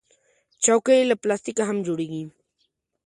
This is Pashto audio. چوکۍ له پلاستیکه هم جوړیږي.